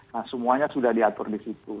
nah semuanya sudah diatur di situ